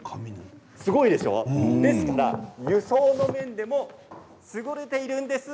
すごいでしょう？ですから輸送の面でも優れているんです。